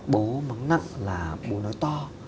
bố mắng nặng là bố nói to